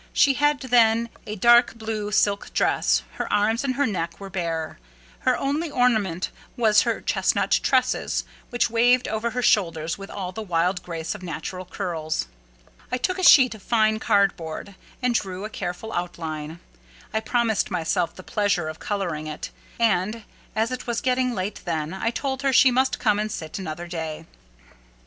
She had then on a dark blue silk dress; her arms and her neck were bare; her only ornament was her chestnut tresses, which waved over her shoulders with all the wild grace of natural curls. I took a sheet of fine card board, and drew a careful outline. I promised myself the pleasure of colouring it; and, as it was getting late then, I told her she must come and sit another day.